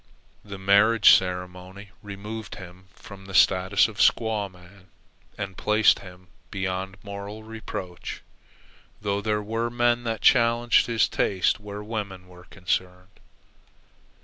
The marriage ceremony removed him from the status of squaw man and placed him beyond moral reproach, though there were men that challenged his taste where women were concerned.